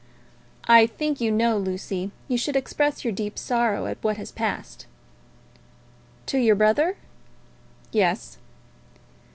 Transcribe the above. "I think you know, Lucy, you should express your deep sorrow at what has passed." "To your brother?" "Yes."